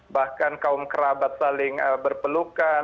bahkan kaum kerabat saling berpelukan